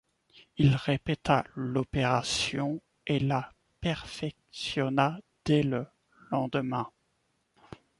Il répéta l’opération et la perfectionna dès le lendemain.